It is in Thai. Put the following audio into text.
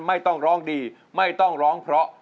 ไม่ต้องร้องดีไม่ต้องร้องเพราะ